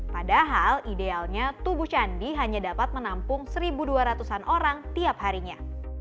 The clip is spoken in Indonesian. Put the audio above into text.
padahal idealnya tubuh candi hanya dapat menampung satu dua ratus an orang tiap harinya